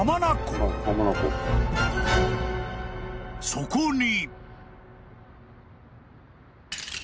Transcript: ［そこに］